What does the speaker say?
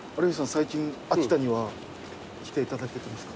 最近秋田には来ていただけてますか？